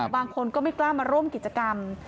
บางคนก็ไม่กล้ามาร่วมกิจกรรม